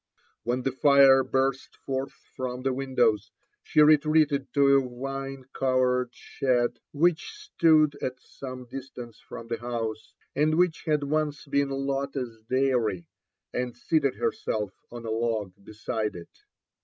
When the fire burst forth from the windows, she retreated to a vine covered shed which stood at some distance from the house, and wbich had once been Lotte's dairy, and seated herself on a log beside it.